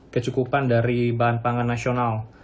kecukupan dari bahan pangan nasional